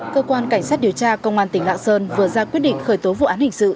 cơ quan cảnh sát điều tra công an tỉnh lạng sơn vừa ra quyết định khởi tố vụ án hình sự